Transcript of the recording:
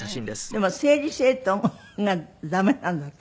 でも整理整頓がダメなんだって？